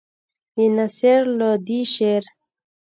د نصر لودي شعر.